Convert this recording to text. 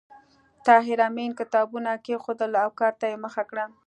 طاهر آمین کتابونه کېښودل او کار ته یې مخه کړه